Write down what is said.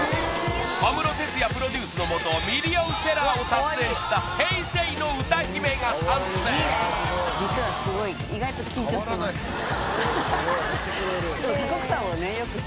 小室哲哉プロデュースのもとミリオンセラーを達成した平成の歌姫が参戦実はすごい意外と迫ってきましたね